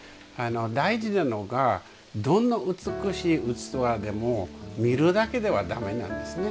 大事なのが、どんな美しい器でも見るだけではだめなんですね。